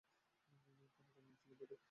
তার ডাকনাম ছিল "বেটি"।